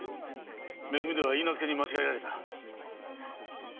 め組では許婚に間違えられた。